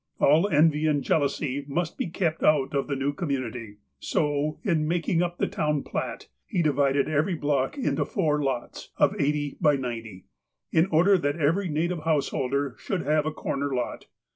All envy and jealousy must be kept out of the new community. So, in makiug up the town plat, he divided every block into four lots, of eighty by ninety, in order that every native householder should have a corner lot.